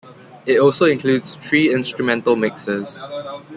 It also includes three instrumental mixes.